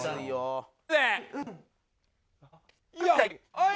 はい！